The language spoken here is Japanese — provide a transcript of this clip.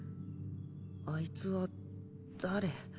あいつは誰？